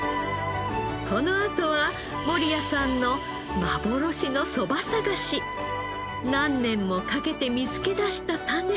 このあとは守屋さんの何年もかけて見つけ出した種。